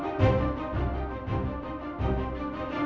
kamu harus berhenti mencari riri